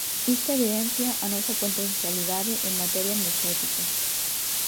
Isto evidencia a nosa potencialidade en materia enerxética.